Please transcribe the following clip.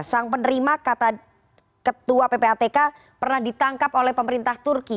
sang penerima kata ketua ppatk pernah ditangkap oleh pemerintah turki